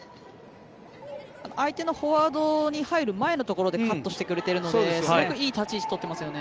相手のフォワードに入る前のところでカットしてくれているのですごくいい立ち位置を取っていますよね。